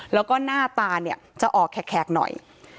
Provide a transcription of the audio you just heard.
แล้วก็หน้าตาเนี่ยจะออกแขกหน่อย